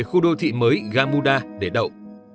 khu đô thị mới gamuda để đậu